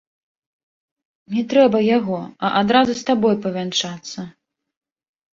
Не трэба яго, а адразу з табой павянчацца.